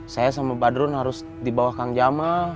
saya sama badrun harus dibawa kang jamal